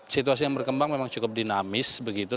situasi yang berkembang memang cukup dinamis begitu